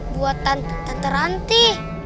buat tante ranti